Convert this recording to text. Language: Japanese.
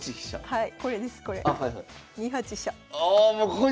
はい。